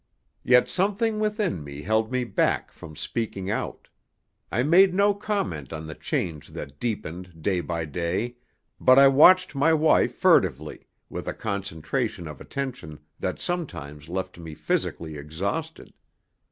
Yet something within me held me back from speaking out. I made no comment on the change that deepened day by day, but I watched my wife furtively, with a concentration of attention that sometimes left me physically exhausted.